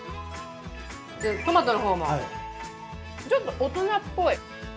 トマトの方も、ちょっと大人っぽい。